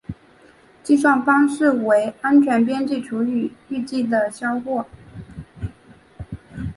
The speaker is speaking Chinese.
计算方式为安全边际除以预计的销货。